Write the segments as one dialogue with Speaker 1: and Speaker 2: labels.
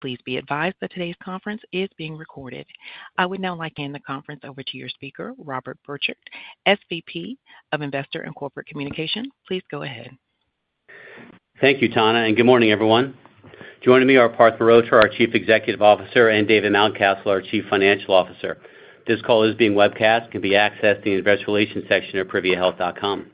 Speaker 1: Please be advised that today's conference is being recorded. I would now like to hand the conference over to your speaker, Robert Borchert, SVP of Investor and Corporate Communication. Please go ahead.
Speaker 2: Thank you, Tana, and good morning, everyone. Joining me are Parth Mehrotra, our Chief Executive Officer, and David Mountcastle, our Chief Financial Officer. This call is being webcast and can be accessed in the Investor Relations section of priviahealth.com.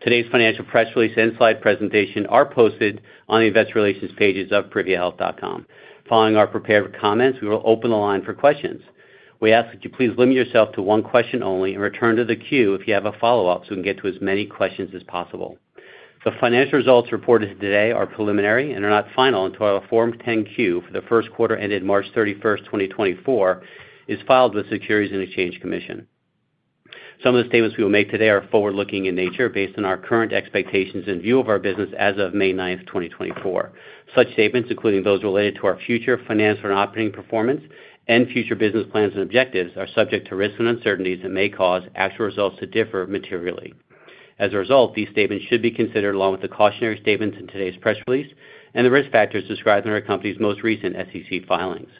Speaker 2: Today's financial press release and slide presentation are posted on the Investor Relations pages of priviahealth.com. Following our prepared comments, we will open the line for questions. We ask that you please limit yourself to one question only and return to the queue if you have a follow-up, so we can get to as many questions as possible. The financial results reported today are preliminary and are not final until our Form 10-Q for the first quarter ended March 31, 2024, is filed with the Securities and Exchange Commission. Some of the statements we will make today are forward-looking in nature, based on our current expectations and view of our business as of May 9, 2024. Such statements, including those related to our future financial and operating performance and future business plans and objectives, are subject to risks and uncertainties that may cause actual results to differ materially. As a result, these statements should be considered along with the cautionary statements in today's press release and the risk factors described in our company's most recent SEC filings.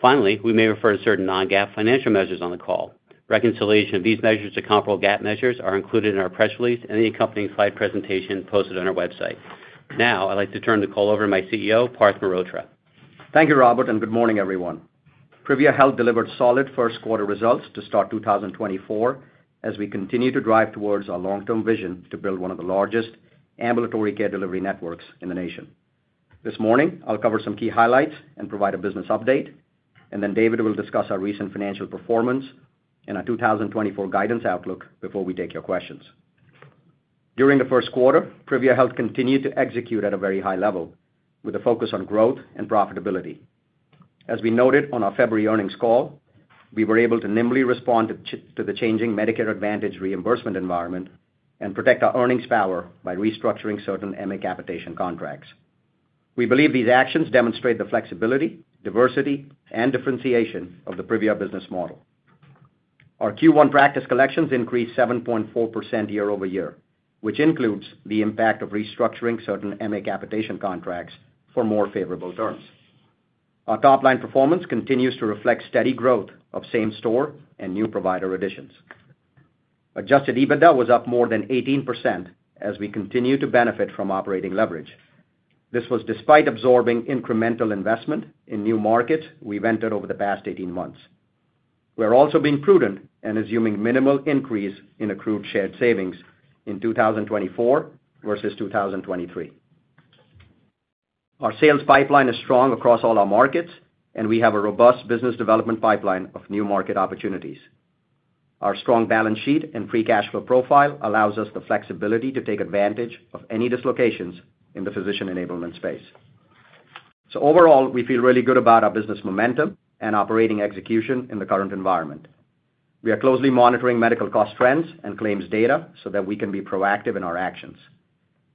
Speaker 2: Finally, we may refer to certain non-GAAP financial measures on the call. Reconciliation of these measures to comparable GAAP measures are included in our press release and the accompanying slide presentation posted on our website. Now, I'd like to turn the call over to my CEO, Parth Mehrotra.
Speaker 3: Thank you, Robert, and good morning, everyone. Privia Health delivered solid first quarter results to start 2024, as we continue to drive towards our long-term vision to build one of the largest ambulatory care delivery networks in the nation. This morning, I'll cover some key highlights and provide a business update, and then David will discuss our recent financial performance and our 2024 guidance outlook before we take your questions. During the first quarter, Privia Health continued to execute at a very high level, with a focus on growth and profitability. As we noted on our February earnings call, we were able to nimbly respond to the changing Medicare Advantage reimbursement environment and protect our earnings power by restructuring certain MA capitation contracts. We believe these actions demonstrate the flexibility, diversity, and differentiation of the Privia business model. Our Q1 practice collections increased 7.4% year-over-year, which includes the impact of restructuring certain MA capitation contracts for more favorable terms. Our top-line performance continues to reflect steady growth of same store and new provider additions. Adjusted EBITDA was up more than 18% as we continue to benefit from operating leverage. This was despite absorbing incremental investment in new markets we've entered over the past 18 months. We're also being prudent and assuming minimal increase in accrued shared savings in 2024 versus 2023. Our sales pipeline is strong across all our markets, and we have a robust business development pipeline of new market opportunities. Our strong balance sheet and free cash flow profile allows us the flexibility to take advantage of any dislocations in the physician enablement space. So overall, we feel really good about our business momentum and operating execution in the current environment. We are closely monitoring medical cost trends and claims data so that we can be proactive in our actions.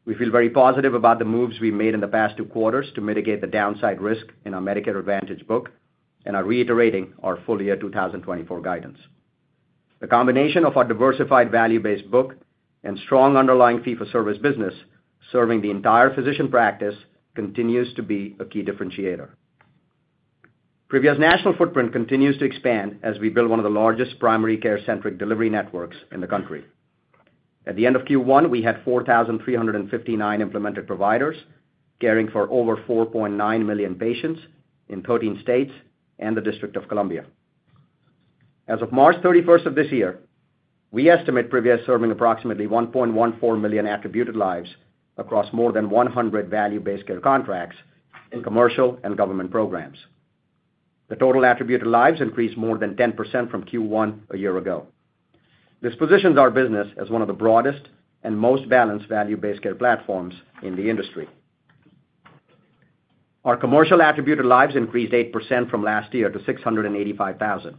Speaker 3: We feel very positive about the moves we've made in the past two quarters to mitigate the downside risk in our Medicare Advantage book, and are reiterating our full year 2024 guidance. The combination of our diversified value-based book and strong underlying fee-for-service business, serving the entire physician practice, continues to be a key differentiator. Privia's national footprint continues to expand as we build one of the largest primary care-centric delivery networks in the country. At the end of Q1, we had 4,359 implemented providers, caring for over 4.9 million patients in 13 states and the District of Columbia. As of March 31st of this year, we estimate Privia is serving approximately 1.14 million attributed lives across more than 100 value-based care contracts in commercial and government programs. The total attributed lives increased more than 10% from Q1 a year ago. This positions our business as one of the broadest and most balanced value-based care platforms in the industry. Our commercial attributed lives increased 8% from last year to 685,000.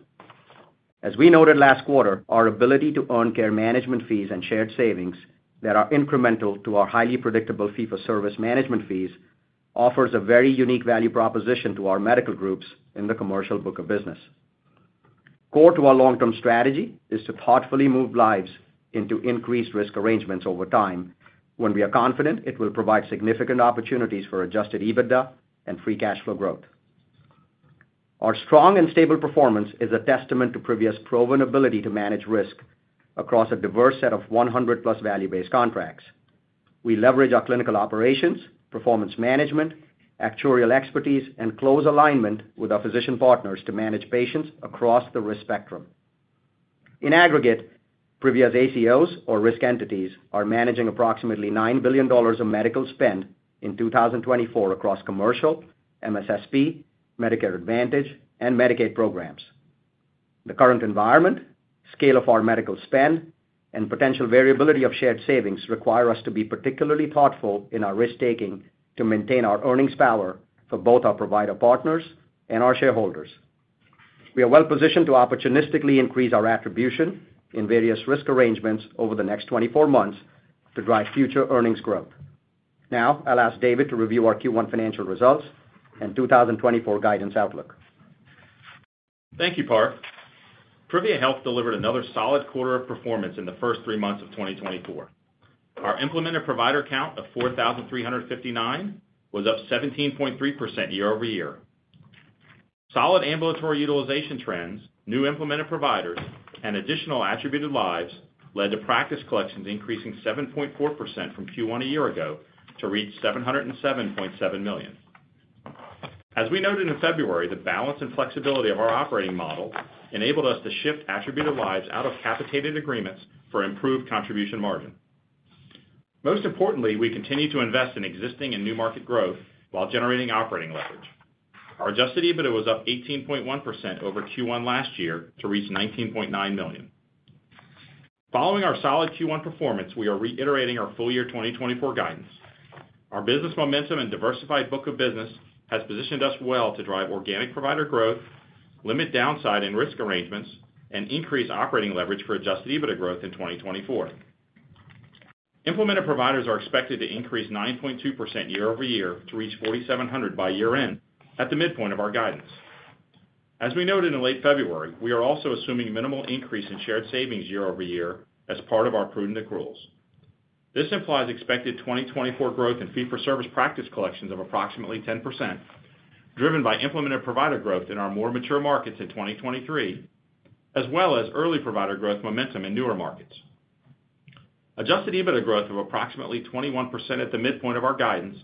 Speaker 3: As we noted last quarter, our ability to earn care management fees and shared savings that are incremental to our highly predictable fee-for-service management fees, offers a very unique value proposition to our medical groups in the commercial book of business. Core to our long-term strategy is to thoughtfully move lives into increased risk arrangements over time, when we are confident it will provide significant opportunities for Adjusted EBITDA and free cash flow growth. Our strong and stable performance is a testament to Privia's proven ability to manage risk across a diverse set of 100+ value-based contracts. We leverage our clinical operations, performance management, actuarial expertise, and close alignment with our physician partners to manage patients across the risk spectrum. In aggregate, Privia's ACOs or risk entities are managing approximately $9 billion of medical spend in 2024 across commercial, MSSP, Medicare Advantage, and Medicaid programs. The current environment, scale of our medical spend, and potential variability of shared savings require us to be particularly thoughtful in our risk-taking to maintain our earnings power for both our provider partners and our shareholders. We are well positioned to opportunistically increase our attribution in various risk arrangements over the next 24 months to drive future earnings growth. Now, I'll ask David to review our Q1 financial results and 2024 guidance outlook.
Speaker 4: Thank you, Parth. Privia Health delivered another solid quarter of performance in the first three months of 2024. Our implemented provider count of 4,359 was up 17.3% year-over-year. Solid ambulatory utilization trends, new implemented providers, and additional attributed lives led to practice collections increasing 7.4% from Q1 a year ago to reach $707.7 million. As we noted in February, the balance and flexibility of our operating model enabled us to shift attributed lives out of capitated agreements for improved contribution margin. Most importantly, we continue to invest in existing and new market growth while generating operating leverage. Our adjusted EBITDA was up 18.1% over Q1 last year to reach $19.9 million. Following our solid Q1 performance, we are reiterating our full-year 2024 guidance. Our business momentum and diversified book of business has positioned us well to drive organic provider growth, limit downside in risk arrangements, and increase operating leverage for Adjusted EBITDA growth in 2024. Implemented providers are expected to increase 9.2% year-over-year to reach 4,700 by year-end, at the midpoint of our guidance. As we noted in late February, we are also assuming minimal increase in shared savings year-over-year as part of our prudent accruals. This implies expected 2024 growth in fee-for-service practice collections of approximately 10%, driven by implemented provider growth in our more mature markets in 2023, as well as early provider growth momentum in newer markets. Adjusted EBITDA growth of approximately 21% at the midpoint of our guidance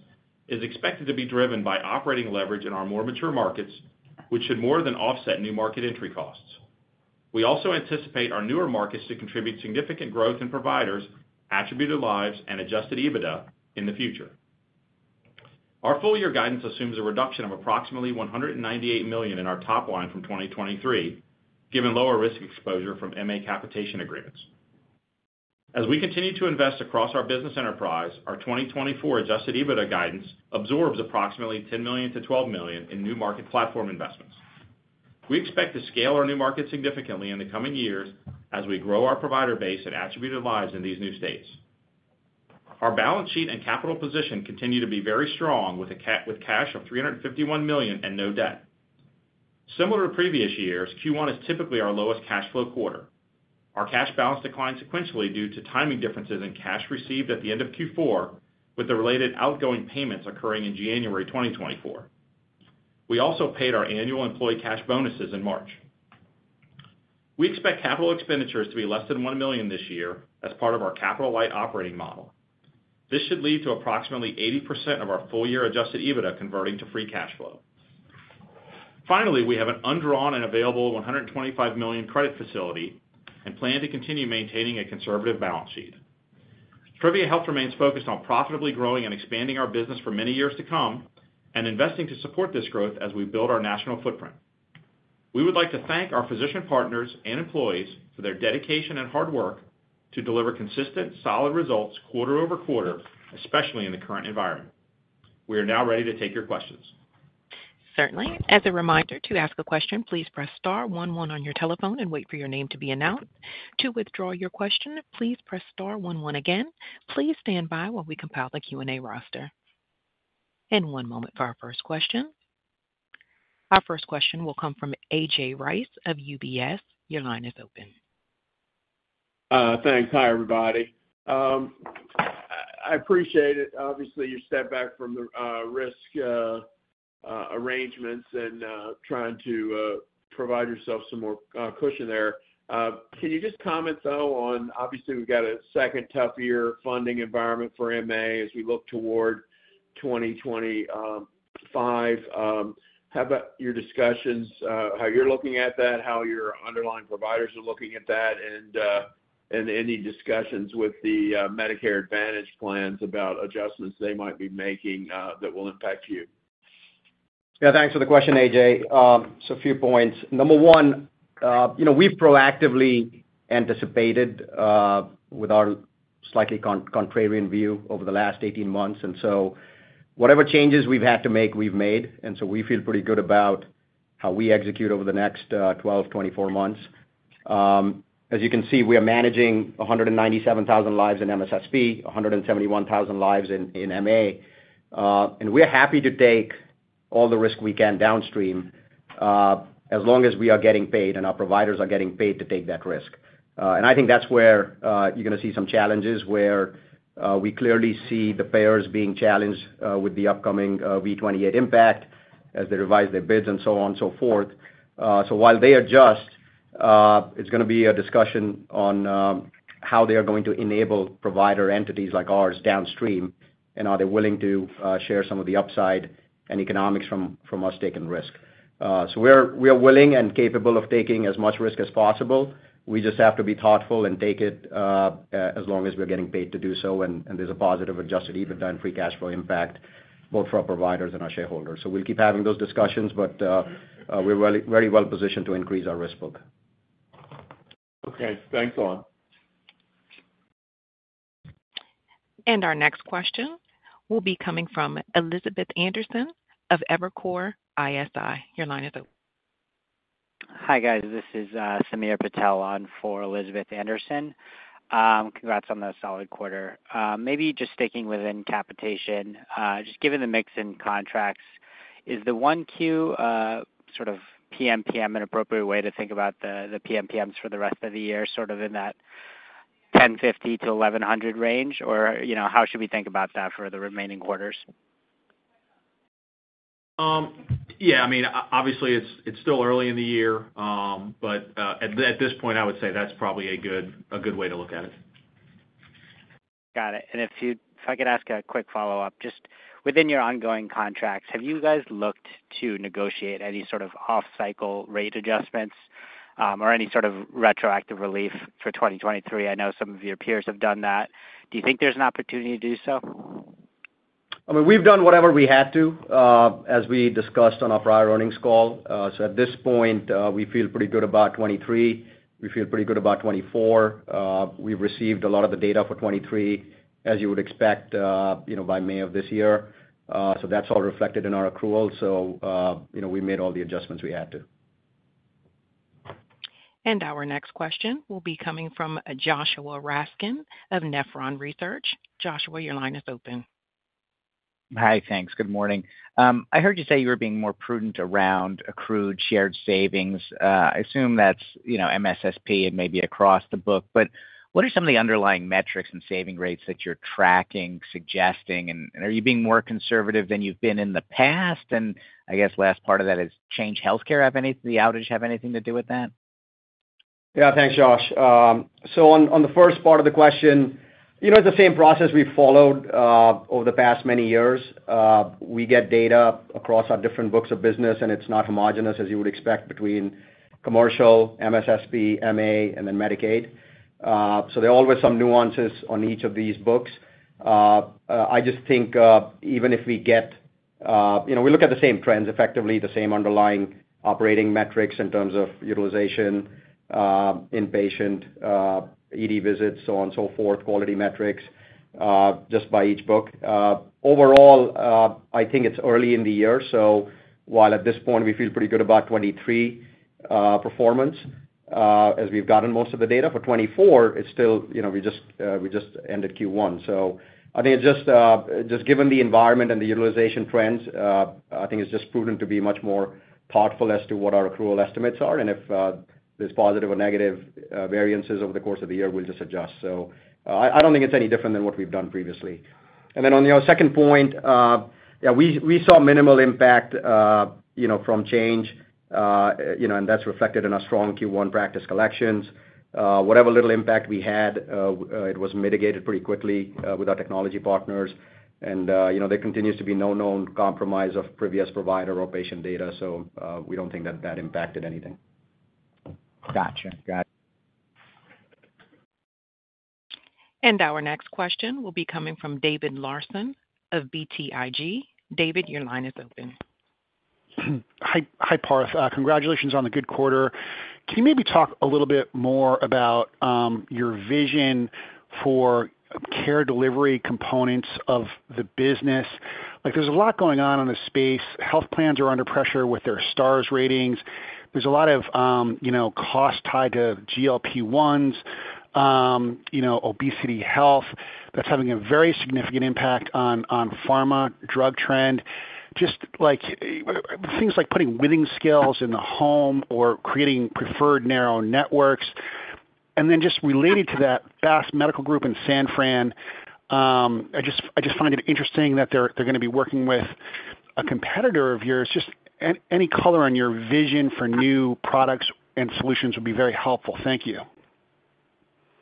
Speaker 4: is expected to be driven by operating leverage in our more mature markets, which should more than offset new market entry costs. We also anticipate our newer markets to contribute significant growth in providers, attributed lives, and adjusted EBITDA in the future. Our full year guidance assumes a reduction of approximately $198 million in our top line from 2023, given lower risk exposure from MA capitation agreements. As we continue to invest across our business enterprise, our 2024 adjusted EBITDA guidance absorbs approximately $10 million-$12 million in new market platform investments. We expect to scale our new markets significantly in the coming years as we grow our provider base and attributed lives in these new states. Our balance sheet and capital position continue to be very strong, with cash of $351 million and no debt. Similar to previous years, Q1 is typically our lowest cash flow quarter. Our cash balance declined sequentially due to timing differences in cash received at the end of Q4, with the related outgoing payments occurring in January 2024. We also paid our annual employee cash bonuses in March. We expect capital expenditures to be less than $1 million this year as part of our capital-light operating model. This should lead to approximately 80% of our full-year adjusted EBITDA converting to free cash flow. Finally, we have an undrawn and available $125 million credit facility and plan to continue maintaining a conservative balance sheet. Privia Health remains focused on profitably growing and expanding our business for many years to come and investing to support this growth as we build our national footprint. We would like to thank our physician partners and employees for their dedication and hard work to deliver consistent, solid results quarter over quarter, especially in the current environment. We are now ready to take your questions.
Speaker 1: Certainly. As a reminder, to ask a question, please press star one one on your telephone and wait for your name to be announced. To withdraw your question, please press star one one again. Please stand by while we compile the Q&A roster. One moment for our first question. Our first question will come from A.J. Rice of UBS. Your line is open.
Speaker 5: Thanks. Hi, everybody. I appreciate it. Obviously, you stepped back from the risk arrangements and trying to provide yourself some more cushion there. Can you just comment, though, on obviously, we've got a second tough year funding environment for MA as we look toward 2025. How about your discussions, how you're looking at that, how your underlying providers are looking at that, and any discussions with the Medicare Advantage plans about adjustments they might be making that will impact you?
Speaker 3: Yeah, thanks for the question, A.J. So a few points. Number one, you know, we've proactively anticipated with our slightly contrarian view over the last 18 months, and so whatever changes we've had to make, we've made, and so we feel pretty good about how we execute over the next 12, 24 months. As you can see, we are managing 197,000 lives in MSSP, 171,000 lives in MA, and we are happy to take all the risk we can downstream, as long as we are getting paid and our providers are getting paid to take that risk. And I think that's where you're gonna see some challenges, where we clearly see the payers being challenged with the upcoming V28 impact as they revise their bids and so on and so forth. So while they adjust, it's gonna be a discussion on how they are going to enable provider entities like ours downstream, and are they willing to share some of the upside and economics from us taking risk. So we're, we are willing and capable of taking as much risk as possible. We just have to be thoughtful and take it as long as we're getting paid to do so, and there's a positive adjusted EBITDA and free cash flow impact, both for our providers and our shareholders. So we'll keep having those discussions, but we're very well positioned to increase our risk book.
Speaker 5: Okay. Thanks a lot.
Speaker 1: Our next question will be coming from Elizabeth Anderson of Evercore ISI. Your line is open.
Speaker 6: Hi, guys. This is Samir Patel on for Elizabeth Anderson.... Congrats on the solid quarter. Maybe just sticking within capitation, just given the mix in contracts, is the 1Q sort of PMPM an appropriate way to think about the, the PMPMs for the rest of the year, sort of in that $1,050-$1,100 range? Or, you know, how should we think about that for the remaining quarters?
Speaker 4: Yeah, I mean, obviously, it's still early in the year, but at this point, I would say that's probably a good way to look at it.
Speaker 6: Got it. If I could ask a quick follow-up, just within your ongoing contracts, have you guys looked to negotiate any sort of off-cycle rate adjustments, or any sort of retroactive relief for 2023? I know some of your peers have done that. Do you think there's an opportunity to do so?
Speaker 3: I mean, we've done whatever we had to, as we discussed on our prior earnings call. So at this point, we feel pretty good about 2023. We feel pretty good about 2024. We've received a lot of the data for 2023, as you would expect, you know, by May of this year. So that's all reflected in our accrual. So, you know, we made all the adjustments we had to.
Speaker 1: Our next question will be coming from Joshua Raskin of Nephron Research. Joshua, your line is open.
Speaker 7: Hi, thanks. Good morning. I heard you say you were being more prudent around accrued shared savings. I assume that's, you know, MSSP and maybe across the book. But what are some of the underlying metrics and saving rates that you're tracking, suggesting, and are you being more conservative than you've been in the past? And I guess last part of that is, Change Healthcare, have any- the outage have anything to do with that?
Speaker 3: Yeah. Thanks, Josh. So on, on the first part of the question, you know, it's the same process we've followed over the past many years. We get data across our different books of business, and it's not homogeneous as you would expect between commercial, MSSP, MA, and then Medicaid. So there are always some nuances on each of these books. I just think, even if we get... You know, we look at the same trends, effectively the same underlying operating metrics in terms of utilization, inpatient, ED visits, so on and so forth, quality metrics, just by each book. Overall, I think it's early in the year, so while at this point, we feel pretty good about 2023 performance, as we've gotten most of the data, for 2024, it's still, you know, we just, we just ended Q1. So I think just, just given the environment and the utilization trends, I think it's just prudent to be much more thoughtful as to what our accrual estimates are, and if, there's positive or negative, variances over the course of the year, we'll just adjust. So, I, I don't think it's any different than what we've done previously. And then on, you know, second point, yeah, we, we saw minimal impact, you know, from Change, you know, and that's reflected in our strong Q1 practice collections. Whatever little impact we had, it was mitigated pretty quickly with our technology partners. You know, there continues to be no known compromise of previous provider or patient data, so we don't think that that impacted anything.
Speaker 7: Gotcha. Got it.
Speaker 1: Our next question will be coming from David Larson of BTIG. David, your line is open.
Speaker 8: Hi, hi, Parth. Congratulations on the good quarter. Can you maybe talk a little bit more about your vision for care delivery components of the business? Like, there's a lot going on in the space. Health plans are under pressure with their Star ratings. There's a lot of, you know, cost tied to GLP-1s, you know, obesity health, that's having a very significant impact on pharma drug trend. Just like things like putting weighing scales in the home or creating preferred narrow networks. And then just related to that BASS Medical Group in San Francisco, I just find it interesting that they're gonna be working with a competitor of yours. Just any color on your vision for new products and solutions would be very helpful. Thank you.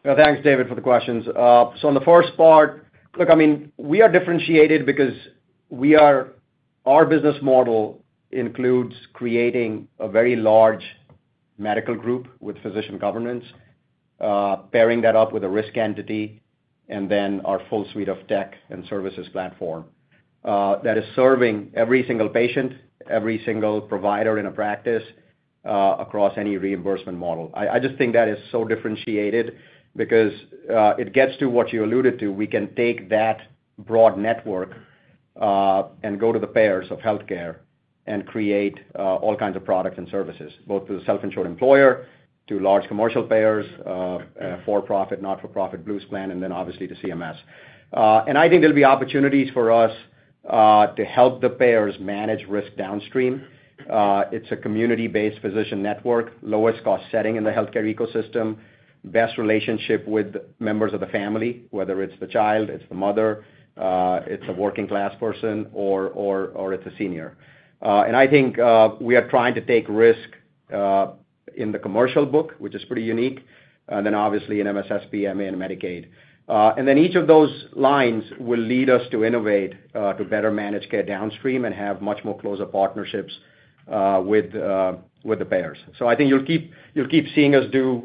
Speaker 3: Yeah. Thanks, David, for the questions. So on the first part, look, I mean, we are differentiated because our business model includes creating a very large medical group with physician governance, pairing that up with a risk entity, and then our full suite of tech and services platform that is serving every single patient, every single provider in a practice, across any reimbursement model. I just think that is so differentiated because it gets to what you alluded to. We can take that broad network and go to the payers of healthcare and create all kinds of products and services, both to the self-insured employer, to large commercial payers, for-profit, not-for-profit, Blue Cross plan, and then obviously to CMS. And I think there'll be opportunities for us to help the payers manage risk downstream. It's a community-based physician network, lowest cost setting in the healthcare ecosystem, best relationship with members of the family, whether it's the child, it's the mother, it's a working-class person, or, or, or it's a senior. And I think we are trying to take risk in the commercial book, which is pretty unique, then obviously in MSSP, MA, and Medicaid. And then each of those lines will lead us to innovate, to better manage care downstream and have much more closer partnerships, with, with the payers. So I think you'll keep, you'll keep seeing us do,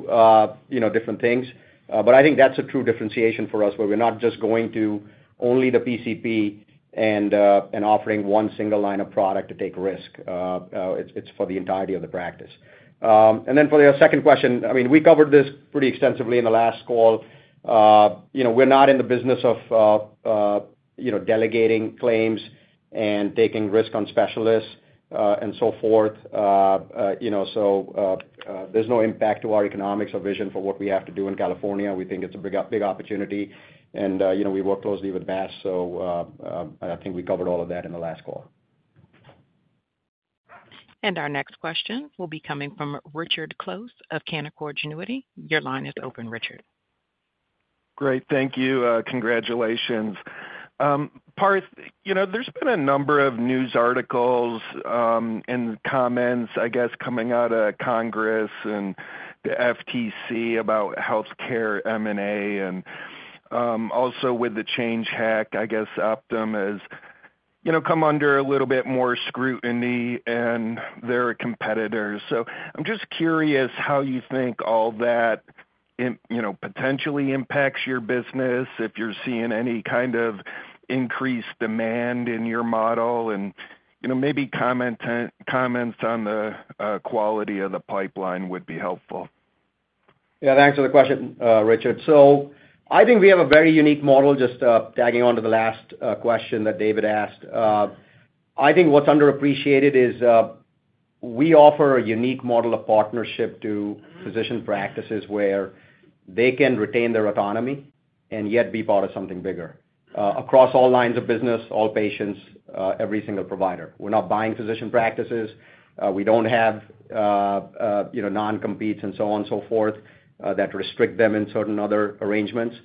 Speaker 3: you know, different things, but I think that's a true differentiation for us, where we're not just going to only the PCP and, and offering one single line of product to take risk. It's for the entirety of the practice. And then for your second question, I mean, we covered this pretty extensively in the last call. You know, we're not in the business of, you know, delegating claims... and taking risk on specialists, and so forth. You know, so, there's no impact to our economics or vision for what we have to do in California. We think it's a big opportunity, and, you know, we work closely with BASS, so, I think we covered all of that in the last call.
Speaker 1: Our next question will be coming from Richard Close of Canaccord Genuity. Your line is open, Richard.
Speaker 9: Great, thank you. Congratulations. Parth, you know, there's been a number of news articles, and comments, I guess, coming out of Congress and the FTC about healthcare M&A, and, also with the Change Healthcare hack, I guess, Optum has, you know, come under a little bit more scrutiny and their competitors. So I'm just curious how you think all that you know, potentially impacts your business, if you're seeing any kind of increased demand in your model, and, you know, maybe comments on the quality of the pipeline would be helpful.
Speaker 3: Yeah, thanks for the question, Richard. So I think we have a very unique model, just tagging on to the last question that David asked. I think what's underappreciated is we offer a unique model of partnership to physician practices where they can retain their autonomy and yet be part of something bigger across all lines of business, all patients, every single provider. We're not buying physician practices. We don't have, you know, non-competes and so on and so forth that restrict them in certain other arrangements.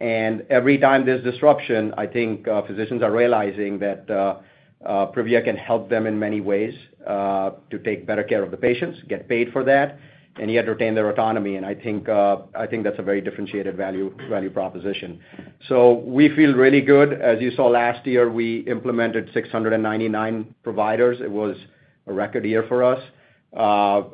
Speaker 3: And every time there's disruption, I think physicians are realizing that Privia can help them in many ways to take better care of the patients, get paid for that, and yet retain their autonomy. And I think I think that's a very differentiated value value proposition. So we feel really good. As you saw last year, we implemented 699 providers. It was a record year for us.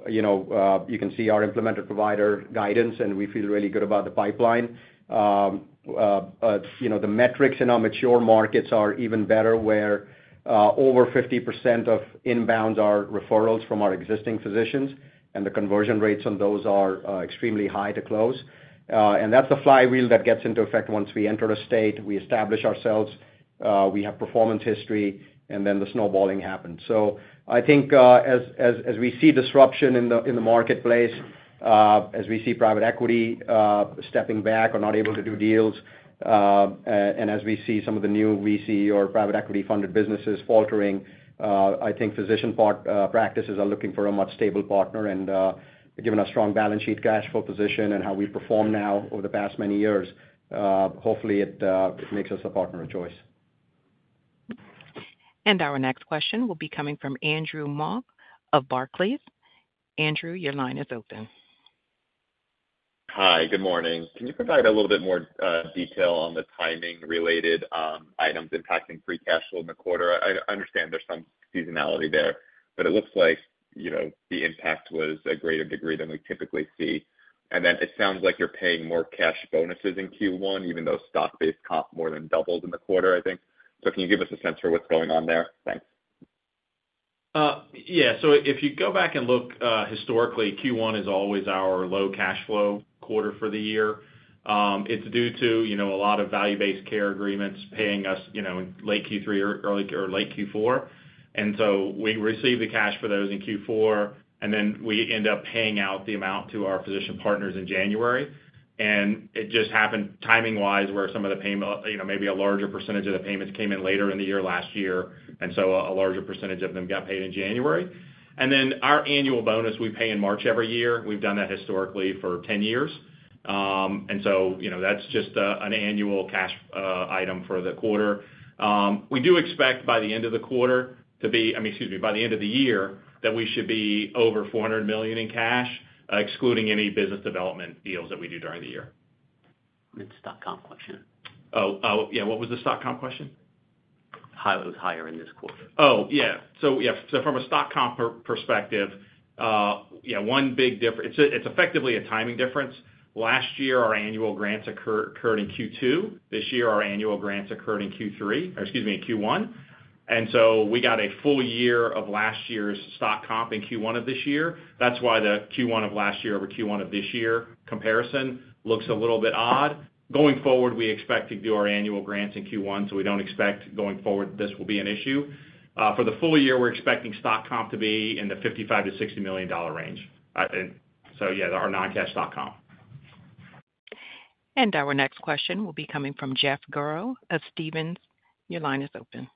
Speaker 3: You know, you can see our implemented provider guidance, and we feel really good about the pipeline. You know, the metrics in our mature markets are even better, where over 50% of inbounds are referrals from our existing physicians, and the conversion rates on those are extremely high to close. And that's the flywheel that gets into effect once we enter a state, we establish ourselves, we have performance history, and then the snowballing happens. So I think, as we see disruption in the marketplace, as we see private equity stepping back or not able to do deals, and as we see some of the new VC or private equity-funded businesses faltering, I think physician practices are looking for a much stable partner, and given our strong balance sheet cash flow position and how we perform now over the past many years, hopefully it makes us a partner of choice.
Speaker 1: Our next question will be coming from Andrew Mok of Barclays. Andrew, your line is open.
Speaker 10: Hi, good morning. Can you provide a little bit more detail on the timing-related items impacting free cash flow in the quarter? I understand there's some seasonality there, but it looks like, you know, the impact was a greater degree than we typically see. And then it sounds like you're paying more cash bonuses in Q1, even though stock-based comp more than doubled in the quarter, I think. So can you give us a sense for what's going on there? Thanks.
Speaker 4: Yeah. So if you go back and look, historically, Q1 is always our low cash flow quarter for the year. It's due to, you know, a lot of value-based care agreements paying us, you know, in late Q3 or early or late Q4. And so we receive the cash for those in Q4, and then we end up paying out the amount to our physician partners in January. And it just happened timing-wise, where some of the payment, you know, maybe a larger percentage of the payments came in later in the year last year, and so a larger percentage of them got paid in January. And then our annual bonus, we pay in March every year. We've done that historically for 10 years. And so, you know, that's just an annual cash item for the quarter. We do expect by the end of the quarter to be, I mean, excuse me, by the end of the year, that we should be over $400 million in cash, excluding any business development deals that we do during the year.
Speaker 8: Stock comp question?
Speaker 4: Oh, oh, yeah, what was the stock comp question?
Speaker 8: How it was higher in this quarter?
Speaker 4: Oh, yeah. So, yeah, so from a stock comp perspective, yeah, one big difference. It's effectively a timing difference. Last year, our annual grants occurred in Q2. This year, our annual grants occurred in Q3, or excuse me, in Q1, and so we got a full year of last year's stock comp in Q1 of this year. That's why the Q1 of last year over Q1 of this year comparison looks a little bit odd. Going forward, we expect to do our annual grants in Q1, so we don't expect, going forward, this will be an issue. For the full year, we're expecting stock comp to be in the $55 million-$60 million range. And so yeah, our non-cash stock comp.
Speaker 1: Our next question will be coming from Jeff Garro of Stephens. Your line is open.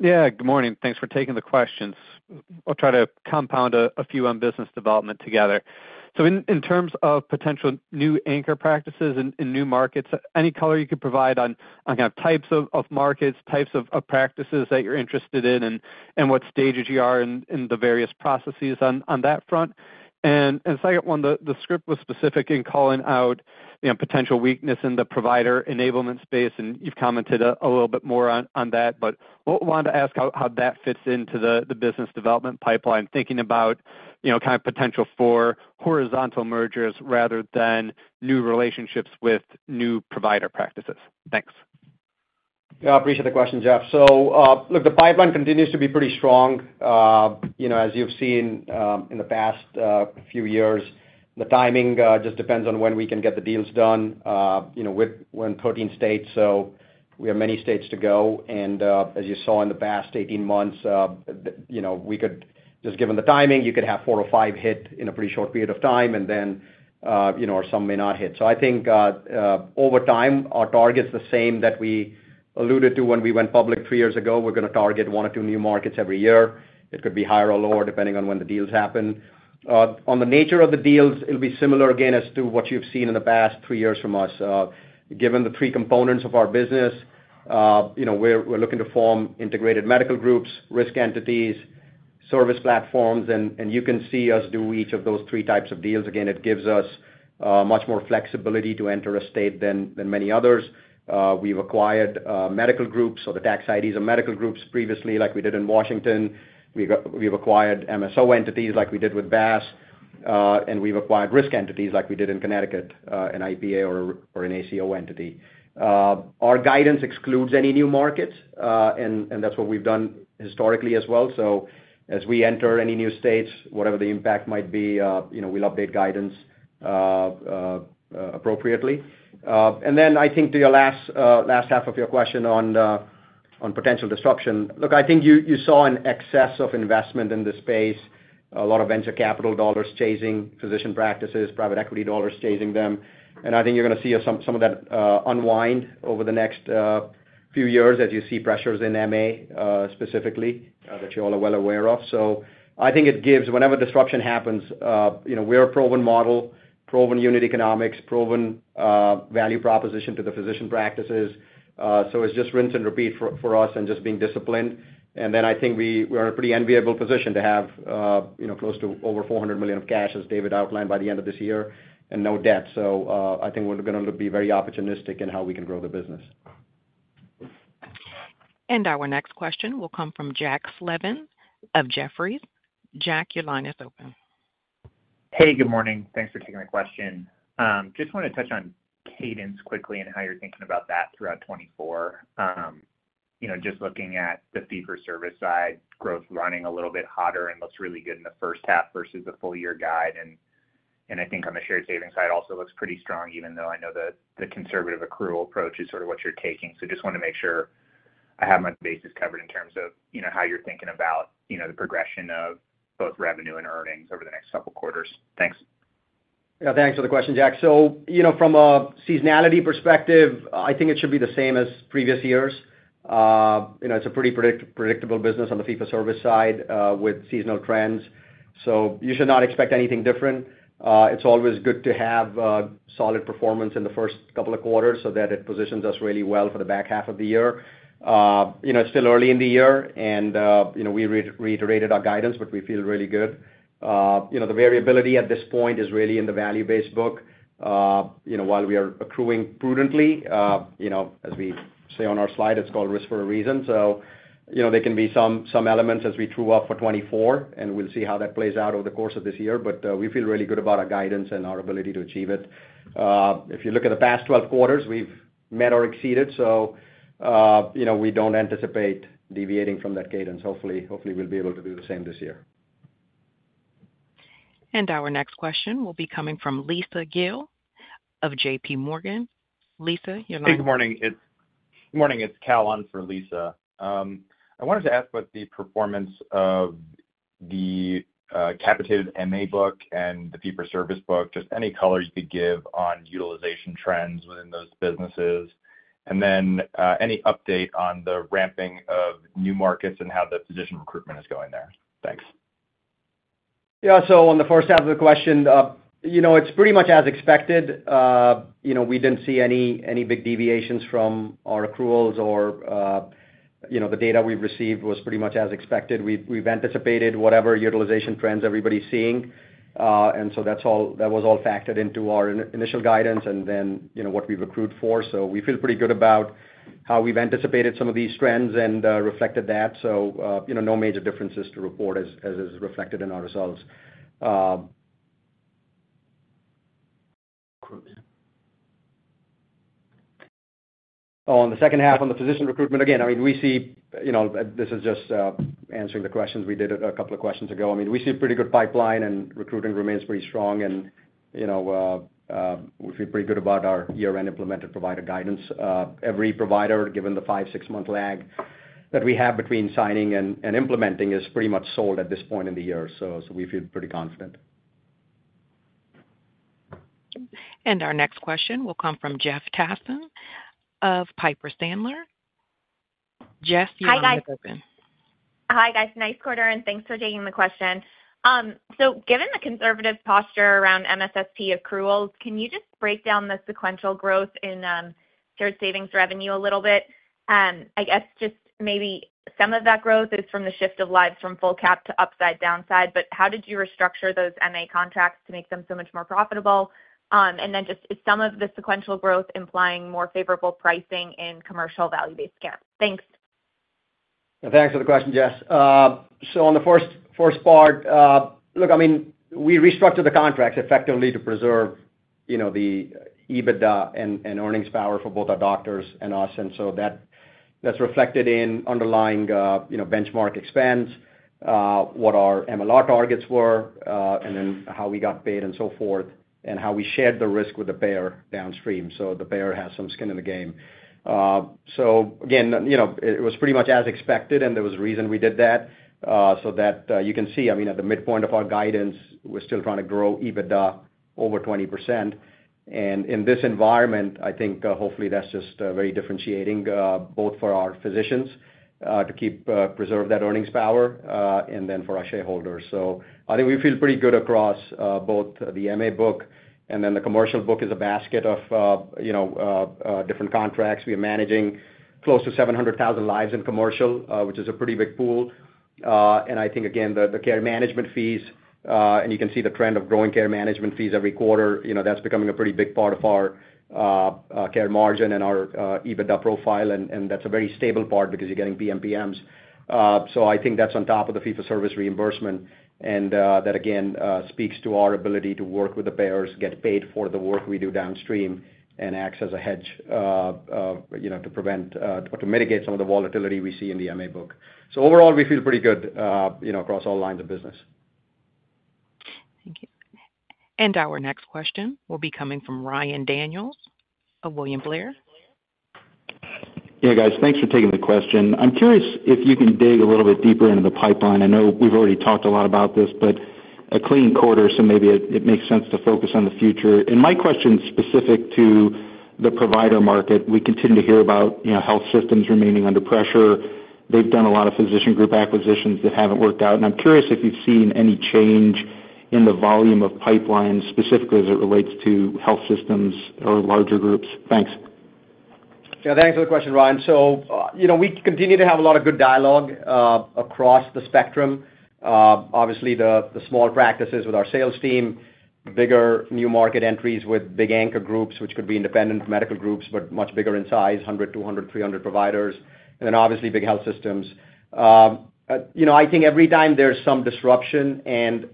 Speaker 11: Yeah, good morning. Thanks for taking the questions. I'll try to combine a few on business development together. So in terms of potential new anchor practices in new markets, any color you could provide on kind of types of markets, types of practices that you're interested in, and what stages you are in the various processes on that front? And second one, the script was specific in calling out, you know, potential weakness in the provider enablement space, and you've commented a little bit more on that. But what we wanted to ask how that fits into the business development pipeline, thinking about, you know, kind of potential for horizontal mergers rather than new relationships with new provider practices. Thanks.
Speaker 3: Yeah, I appreciate the question, Jeff. So, look, the pipeline continues to be pretty strong. You know, as you've seen, in the past few years, the timing just depends on when we can get the deals done, you know, with, we're in 13 states, so we have many states to go. And, as you saw in the past 18 months, you know, we could just given the timing, you could have four or five hit in a pretty short period of time, and then, you know, some may not hit. So I think, over time, our target's the same that we alluded to when we went public three years ago. We're gonna target one or two new markets every year. It could be higher or lower, depending on when the deals happen. On the nature of the deals, it'll be similar, again, as to what you've seen in the past three years from us. Given the three components of our business, you know, we're looking to form integrated medical groups, risk entities, service platforms, and you can see us do each of those three types of deals. Again, it gives us much more flexibility to enter a state than many others. We've acquired medical groups or the tax IDs of medical groups previously, like we did in Washington. We've acquired MSO entities like we did with Bass, and we've acquired risk entities like we did in Connecticut, an IPA or an ACO entity. Our guidance excludes any new markets, and that's what we've done historically as well. So as we enter any new states, whatever the impact might be, you know, we'll update guidance appropriately. And then I think to your last half of your question on the, on potential disruption. Look, I think you saw an excess of investment in this space, a lot of venture capital dollars chasing physician practices, private equity dollars chasing them, and I think you're gonna see some of that unwind over the next few years as you see pressures in MA specifically that you all are well aware of. So I think it gives whenever disruption happens, you know, we're a proven model, proven unit economics, proven value proposition to the physician practices. So it's just rinse and repeat for us and just being disciplined. I think we're in a pretty enviable position to have, you know, close to over $400 million of cash, as David outlined, by the end of this year, and no debt. I think we're gonna be very opportunistic in how we can grow the business.
Speaker 1: Our next question will come from Jack Slevin of Jefferies. Jack, your line is open.
Speaker 12: Hey, good morning. Thanks for taking my question. Just wanna touch on cadence quickly and how you're thinking about that throughout 2024. You know, just looking at the fee-for-service side, growth running a little bit hotter and looks really good in the first half versus the full year guide, and I think on the shared savings side, also looks pretty strong, even though I know the conservative accrual approach is sort of what you're taking. So just wanna make sure I have my bases covered in terms of, you know, how you're thinking about, you know, the progression of both revenue and earnings over the next couple quarters. Thanks.
Speaker 3: Yeah, thanks for the question, Jack. So, you know, from a seasonality perspective, I think it should be the same as previous years. You know, it's a pretty predictable business on the fee-for-service side, with seasonal trends, so you should not expect anything different. It's always good to have solid performance in the first couple of quarters so that it positions us really well for the back half of the year. You know, it's still early in the year, and you know, we reiterated our guidance, but we feel really good. You know, the variability at this point is really in the value-based book. You know, while we are accruing prudently, you know, as we say on our slide, it's called risk for a reason. So, you know, there can be some elements as we true-up for 2024, and we'll see how that plays out over the course of this year. But, we feel really good about our guidance and our ability to achieve it. If you look at the past 12 quarters, we've met or exceeded, so, you know, we don't anticipate deviating from that cadence. Hopefully, hopefully, we'll be able to do the same this year.
Speaker 1: Our next question will be coming from Lisa Gill of JP Morgan. Lisa, you're-
Speaker 13: Good morning, it's Cal on for Lisa. I wanted to ask about the performance of the capitated MA book and the fee-for-service book. Just any color you could give on utilization trends within those businesses, and then any update on the ramping of new markets and how the physician recruitment is going there? Thanks.
Speaker 3: Yeah, so on the first half of the question, you know, it's pretty much as expected. You know, we didn't see any big deviations from our accruals or, you know, the data we've received was pretty much as expected. We've anticipated whatever utilization trends everybody's seeing, and so that's all that was all factored into our initial guidance and then, you know, what we've accrued for. So we feel pretty good about how we've anticipated some of these trends and reflected that. So, you know, no major differences to report as is reflected in our results. On the second half, on the physician recruitment, again, I mean, we see, you know, this is just answering the questions we did a couple of questions ago. I mean, we see a pretty good pipeline, and recruiting remains pretty strong, and, you know, we feel pretty good about our year-end implemented provider guidance. Every provider, given the 5-6-month lag that we have between signing and implementing, is pretty much sold at this point in the year. So, we feel pretty confident.
Speaker 1: Our next question will come from Jessica Tassan of Piper Sandler. Jessica, your line is open.
Speaker 14: Hi, guys. Hi, guys, nice quarter, and thanks for taking the question. So given the conservative posture around MSSP accruals, can you just break down the sequential growth in shared savings revenue a little bit? I guess just maybe some of that growth is from the shift of lives from full cap to upside downside, but how did you restructure those MA contracts to make them so much more profitable? And then just is some of the sequential growth implying more favorable pricing in commercial value-based care? Thanks.
Speaker 3: Thanks for the question, Jess. So on the first, first part, look, I mean, we restructured the contracts effectively to preserve, you know, the EBITDA and, and earnings power for both our doctors and us. And so that-that's reflected in underlying, you know, benchmark expense, what our MLR targets were, and then how we got paid and so forth, and how we shared the risk with the payer downstream, so the payer has some skin in the game. So again, you know, it, it was pretty much as expected, and there was a reason we did that. So that, you can see, I mean, at the midpoint of our guidance, we're still trying to grow EBITDA over 20%. And in this environment, I think, hopefully, that's just very differentiating, both for our physicians, to keep preserve that earnings power, and then for our shareholders. So I think we feel pretty good across both the MA book and then the commercial book is a basket of, you know, different contracts. We are managing close to 700,000 lives in commercial, which is a pretty big pool. And I think, again, the care management fees, and you can see the trend of growing care management fees every quarter, you know, that's becoming a pretty big part of our care margin and our EBITDA profile, and that's a very stable part because you're getting PMPMs. So I think that's on top of the fee-for-service reimbursement, and that again speaks to our ability to work with the payers, get paid for the work we do downstream, and acts as a hedge, you know, to prevent or to mitigate some of the volatility we see in the MA book. So overall, we feel pretty good, you know, across all lines of business.
Speaker 1: Thank you. Our next question will be coming from Ryan Daniels of William Blair.
Speaker 15: Hey, guys. Thanks for taking the question. I'm curious if you can dig a little bit deeper into the pipeline. I know we've already talked a lot about this, but a clean quarter, so maybe it makes sense to focus on the future. My question is specific to the provider market. We continue to hear about, you know, health systems remaining under pressure. They've done a lot of physician group acquisitions that haven't worked out, and I'm curious if you've seen any change in the volume of pipeline, specifically as it relates to health systems or larger groups. Thanks. Yeah, thanks for the question, Ryan. So, you know, we continue to have a lot of good dialogue across the spectrum. Obviously, the small practices with our sales team, bigger new market entries with big anchor groups, which could be independent medical groups, but much bigger in size, 100, 200, 300 providers, and then obviously, big health systems. You know, I think every time there's some disruption and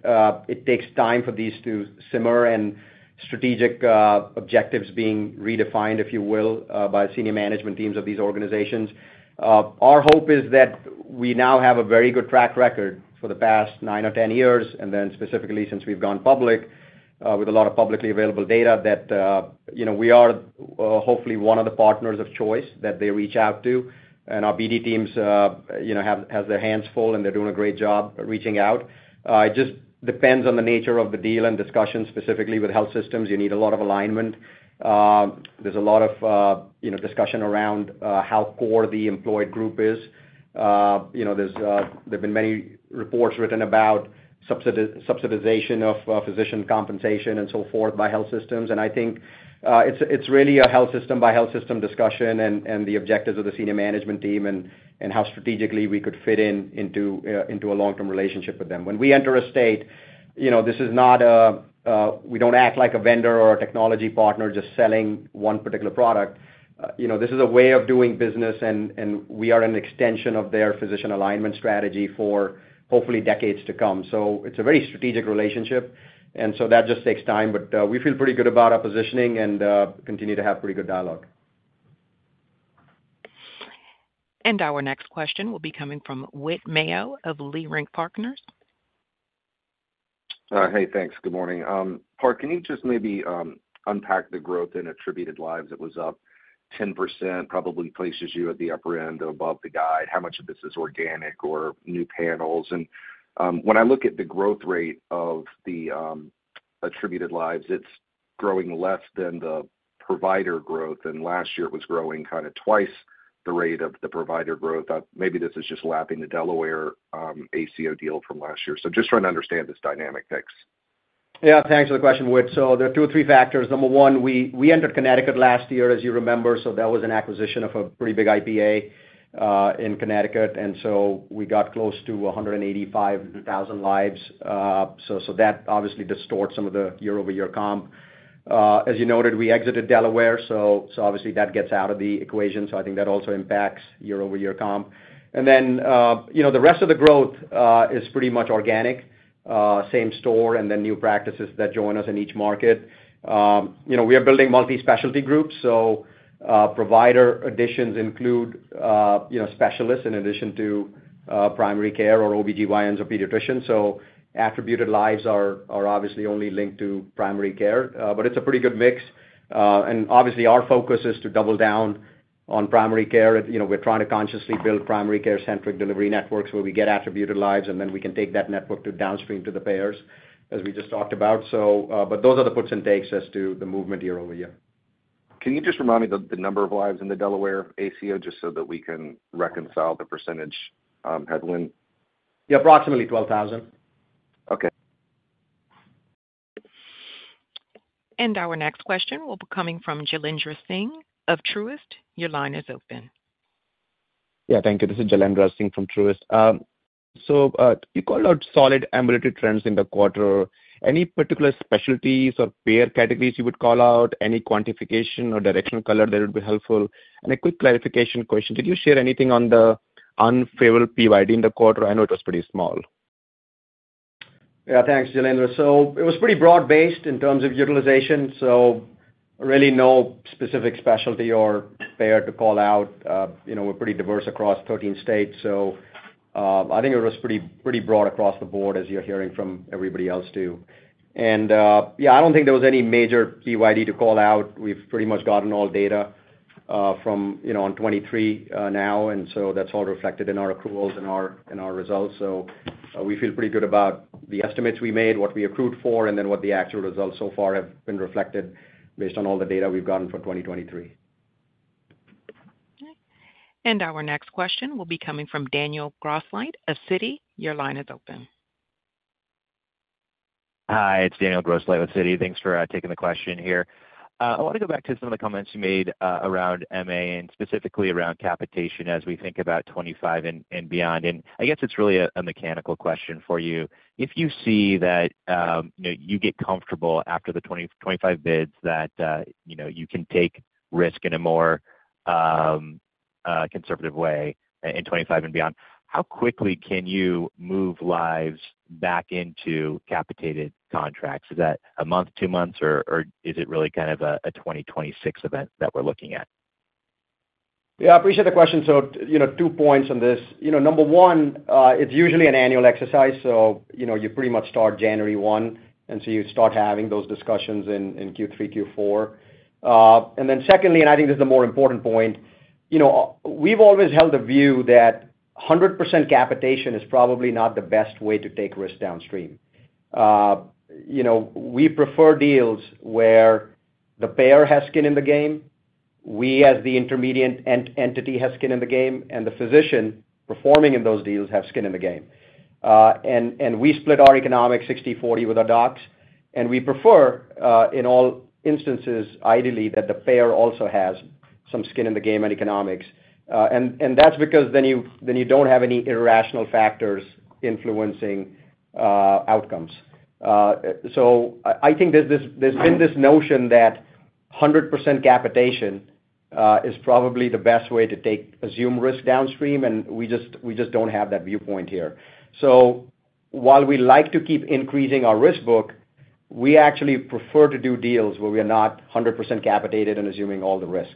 Speaker 15: it takes time for these to simmer and strategic objectives being redefined, if you will, by senior management teams of these organizations. Our hope is that we now have a very good track record for the past 9 or 10 years, and then specifically since we've gone public, with a lot of publicly available data, that, you know, we are, hopefully, one of the partners of choice that they reach out to. And our BD teams, you know, have their hands full, and they're doing a great job reaching out. It just depends on the nature of the deal and discussions. Specifically, with health systems, you need a lot of alignment. There's a lot of, you know, discussion around, how core the employed group is. You know, there've been many reports written about subsidization of physician compensation and so forth by health systems. I think it's really a health system by health system discussion and the objectives of the senior management team and how strategically we could fit into a long-term relationship with them. When we enter a state, you know, this is not, we don't act like a vendor or a technology partner just selling one particular product. You know, this is a way of doing business, and we are an extension of their physician alignment strategy for hopefully decades to come. So it's a very strategic relationship, and so that just takes time, but we feel pretty good about our positioning and continue to have pretty good dialogue.
Speaker 1: Our next question will be coming from Whit Mayo of Leerink Partners.
Speaker 16: Hey, thanks. Good morning. Park, can you just maybe unpack the growth in attributed lives? It was up 10%, probably places you at the upper end above the guide. How much of this is organic or new panels? And, when I look at the growth rate of the attributed lives, it's growing less than the provider growth, and last year, it was growing kind of twice the rate of the provider growth. Maybe this is just lapping the Delaware ACO deal from last year. So just trying to understand this dynamic mix.
Speaker 3: Yeah, thanks for the question, Whit. So there are two or three factors. Number one, we, we entered Connecticut last year, as you remember, so that was an acquisition of a pretty big IPA in Connecticut, and so we got close to 185,000 lives. So that obviously distorts some of the year-over-year comp. As you noted, we exited Delaware, so obviously, that gets out of the equation, so I think that also impacts year-over-year comp. And then, you know, the rest of the growth is pretty much organic, same store, and then new practices that join us in each market. You know, we are building multi-specialty groups, so provider additions include you know, specialists in addition to primary care or OB-GYNs or pediatricians. So attributed lives are obviously only linked to primary care, but it's a pretty good mix. And obviously, our focus is to double down on primary care. You know, we're trying to consciously build primary care-centric delivery networks, where we get attributed lives, and then we can take that network to downstream to the payers, as we just talked about. So, but those are the puts and takes as to the movement year-over-year.
Speaker 16: Can you just remind me the number of lives in the Delaware ACO, just so that we can reconcile the percentage headwind?
Speaker 3: Yeah, approximately 12,000.
Speaker 16: Okay.
Speaker 1: Our next question will be coming from Jailendra Singh of Truist. Your line is open.
Speaker 17: Yeah, thank you. This is Jailendra Singh from Truist. So, you called out solid ambulatory trends in the quarter. Any particular specialties or payer categories you would call out? Any quantification or directional color, that would be helpful. And a quick clarification question: Did you share anything on the unfavorable PYD in the quarter? I know it was pretty small.
Speaker 3: Yeah, thanks, Jailendra. So it was pretty broad-based in terms of utilization, so really no specific specialty or payer to call out. You know, we're pretty diverse across 13 states, so I think it was pretty, pretty broad across the board, as you're hearing from everybody else, too. And yeah, I don't think there was any major PYD to call out. We've pretty much gotten all data from, you know, on 2023 now, and so that's all reflected in our approvals and our, in our results. So we feel pretty good about the estimates we made, what we accrued for, and then what the actual results so far have been reflected based on all the data we've gotten for 2023.
Speaker 1: Okay. And our next question will be coming from Daniel Grosslight of Citi. Your line is open.
Speaker 18: Hi, it's Daniel Grosslight with Citi. Thanks for taking the question here. I want to go back to some of the comments you made around MA and specifically around capitation as we think about 2025 and beyond. And I guess it's really a mechanical question for you. If you see that, you know, you get comfortable after the 2025 bids that, you know, you can take risk in a more conservative way in 2025 and beyond, how quickly can you move lives back into capitated contracts? Is that a month, two months, or is it really kind of a 2026 event that we're looking at?
Speaker 3: Yeah, I appreciate the question. So, you know, two points on this. You know, number one, it's usually an annual exercise, so, you know, you pretty much start January 1, and so you start having those discussions in, in Q3, Q4. And then secondly, and I think this is a more important point, you know, we've always held the view that 100% capitation is probably not the best way to take risk downstream. You know, we prefer deals where the payer has skin in the game, we, as the intermediate entity, have skin in the game, and the physician performing in those deals have skin in the game. And, and we split our economics 60/40 with our docs, and we prefer, in all instances, ideally, that the payer also has some skin in the game and economics. That's because then you don't have any irrational factors influencing outcomes. I think there's been this notion that 100% capitation is probably the best way to take assumed risk downstream, and we just don't have that viewpoint here. While we like to keep increasing our risk book, we actually prefer to do deals where we are not 100% capitated and assuming all the risk.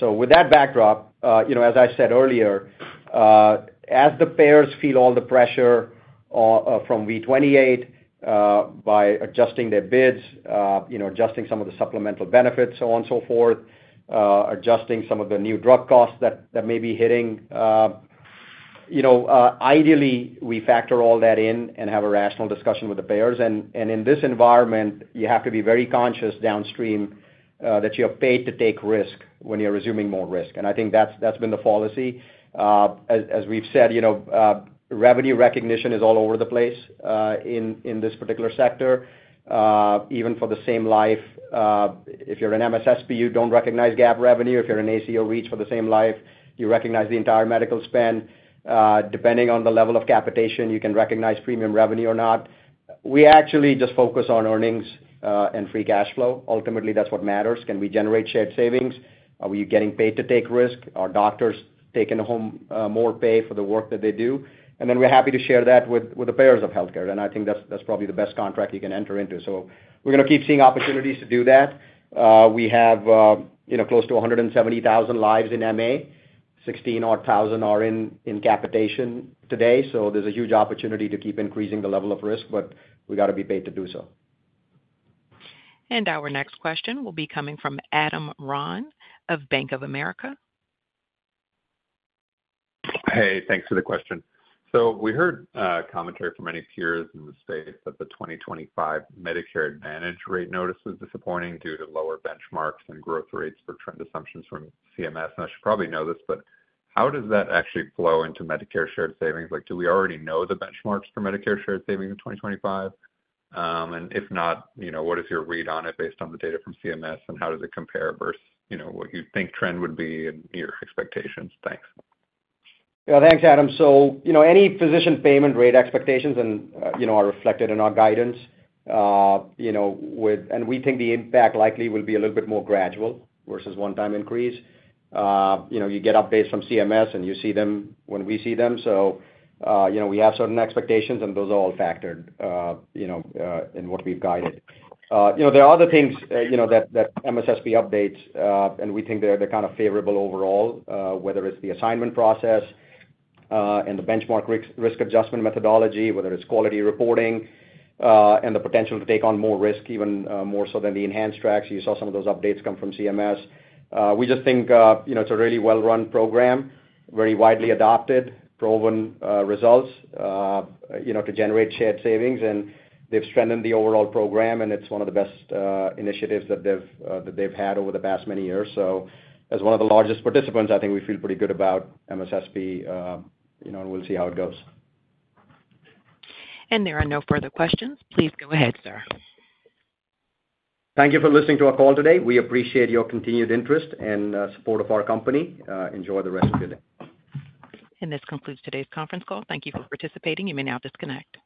Speaker 3: So with that backdrop, you know, as I said earlier, as the payers feel all the pressure from V 28 by adjusting their bids, you know, adjusting some of the supplemental benefits, so on and so forth, adjusting some of the new drug costs that may be hitting, you know, ideally, we factor all that in and have a rational discussion with the payers. And in this environment, you have to be very conscious downstream that you are paid to take risk when you're assuming more risk. And I think that's been the fallacy. As we've said, you know, revenue recognition is all over the place in this particular sector, even for the same life. If you're an MSSP, you don't recognize GAAP revenue. If you're an ACO REACH for the same lives, you recognize the entire medical spend. Depending on the level of capitation, you can recognize premium revenue or not. We actually just focus on earnings and free cash flow. Ultimately, that's what matters. Can we generate shared savings? Are we getting paid to take risk? Are doctors taking home more pay for the work that they do? And then we're happy to share that with, with the payers of healthcare, and I think that's, that's probably the best contract you can enter into. So we're gonna keep seeing opportunities to do that. We have, you know, close to 170,000 lives in MA. Sixteen thousand are in, in capitation today, so there's a huge opportunity to keep increasing the level of risk, but we gotta be paid to do so.
Speaker 1: Our next question will be coming from Adam Ron of Bank of America.
Speaker 19: Hey, thanks for the question. So we heard commentary from many peers in the space that the 2025 Medicare Advantage rate notice was disappointing due to lower benchmarks and growth rates for trend assumptions from CMS. And I should probably know this, but how does that actually flow into Medicare Shared Savings? Like, do we already know the benchmarks for Medicare Shared Savings in 2025? And if not, you know, what is your read on it based on the data from CMS, and how does it compare versus, you know, what you think trend would be and your expectations? Thanks.
Speaker 3: Yeah, thanks, Adam. So, you know, any physician payment rate expectations and, you know, are reflected in our guidance, you know, with and we think the impact likely will be a little bit more gradual versus one-time increase. You know, you get updates from CMS, and you see them when we see them, so, you know, we have certain expectations, and those are all factored, you know, in what we've guided. You know, there are other things, you know, that MSSP updates, and we think they're kind of favorable overall, whether it's the assignment process, and the benchmark risk adjustment methodology, whether it's quality reporting, and the potential to take on more risk, even, more so than the enhanced tracks. You saw some of those updates come from CMS. We just think, you know, it's a really well-run program, very widely adopted, proven results, you know, to generate shared savings, and they've strengthened the overall program, and it's one of the best initiatives that they've had over the past many years. So as one of the largest participants, I think we feel pretty good about MSSP, you know, and we'll see how it goes.
Speaker 1: There are no further questions. Please go ahead, sir.
Speaker 3: Thank you for listening to our call today. We appreciate your continued interest and support of our company. Enjoy the rest of your day.
Speaker 1: This concludes today's conference call. Thank you for participating. You may now disconnect.